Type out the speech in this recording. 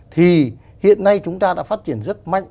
thì hiện nay chúng ta đã phát triển rất mạnh